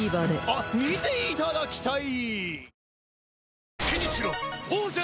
あっ見ていただきたい！